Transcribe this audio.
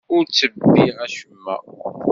Ur ttebbiɣ acemma.